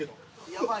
やばい。